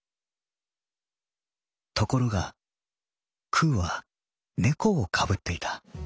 ところがくうは猫をかぶっていた」。